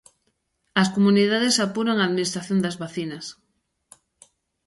As comunidades apuran a administración das vacinas.